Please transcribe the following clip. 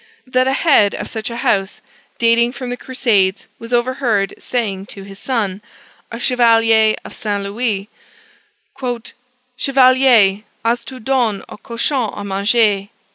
that a head of such a house, dating from the Crusades, was overheard saying to his son, a Chevalier of St. Louis, "Chevalier, as tu donné au cochon à manger!"